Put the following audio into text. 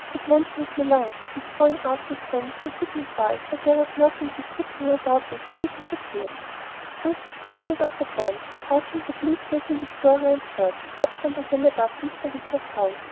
"It won't take me long," and throwing out his hands to signify that there was nothing he could do about it he disappeared. Chris started off once more, passing the bleak little Victorian church perched on the hill above Mr. Wicker's house.